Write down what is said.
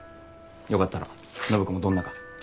よかったら暢子もどんなか？